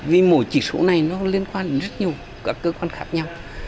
vì mỗi chỉ số này nó liên quan đến rất nhiều các cơ quan khác nhau